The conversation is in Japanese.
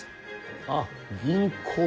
ああ銀行。